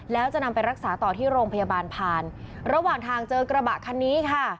แล้วจะนำไปรักษาต่อที่โรงพยาบาลผ่านระหว่างทางเจอกระบะคันนี้ค่ะ